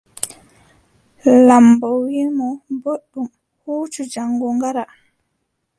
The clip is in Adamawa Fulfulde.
Laamɓo wii mo: booɗɗum huucu jaŋgo ngara.